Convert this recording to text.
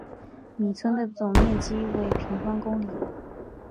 米村的总面积为平方公里。